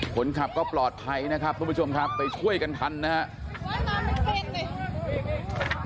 คนขับก็ปลอดภัยนะครับทุกผู้ชมครับไปช่วยกันทันนะครับ